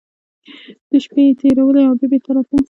دوې شپې يې تېرولې او بيا بېرته راته.